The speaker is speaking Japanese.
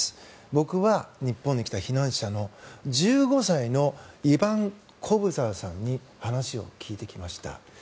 僕は、日本に来た避難者の１５歳のイバン・コブザーさんに話を聞いてきました。